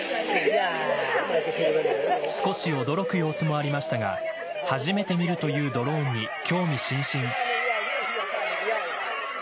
少し驚く様子もありましたが初めて見るというドローンに興味津々。